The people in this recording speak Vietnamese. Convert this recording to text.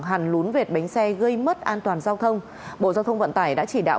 hẳn lún vệt bánh xe gây mất an toàn giao thông bộ giao thông vận tải đã chỉ đạo